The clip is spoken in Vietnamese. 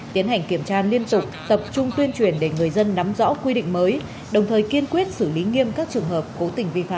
tiến hành kiểm tra liên tục tập trung tuyên truyền để người dân nắm rõ quy định mới đồng thời kiên quyết xử lý nghiêm các trường hợp cố tình vi phạm